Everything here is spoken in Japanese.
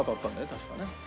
確かね。